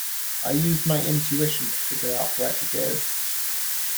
I used my intuition to figure out where to go.